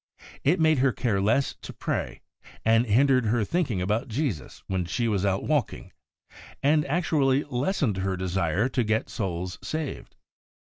It made her care less to pray, and hindered her thinking about Jesus when she was out walking, and actually HOLINESS AND SANCTIFICATION 39 lessened her desire to get souls saved.